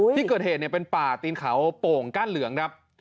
ที่เกิดเหตุเป็นป่าตีนเขาโป่งก้านเหลืองครับ